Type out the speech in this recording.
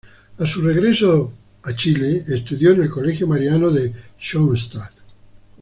A su regreso a Chile, estudió en el Colegio Mariano de Schoenstatt.